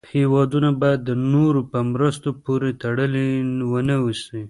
هېوادونه باید د نورو په مرستو پورې تړلې و نه اوسي.